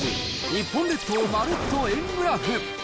日本列島まるっと円グラフ。